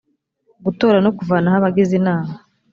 gutora no kuvanaho abagize inama